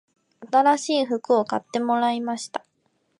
新しい服を買ってもらいました